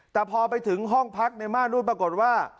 แต่พอไปถึงห้องพักในม่านนู่นปรากฏว่า